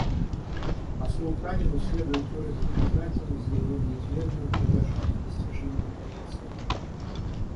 Послу Танину следует выразить признательность за его неизменную приверженность достижению этой цели.